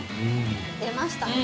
出ましたね。